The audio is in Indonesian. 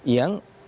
yang menaikan tarif